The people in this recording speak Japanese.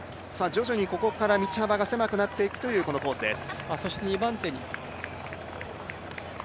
徐々に、ここから道幅が狭くなっていくというこのコースです。